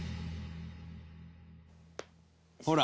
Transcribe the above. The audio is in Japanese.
「ほら！